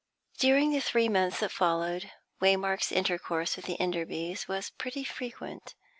During the three months that followed, Waymark's intercourse with the Enderbys was pretty frequent.